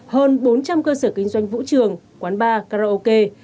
hơn bốn trăm linh cơ sở kinh doanh vũ trường quán bar karaoke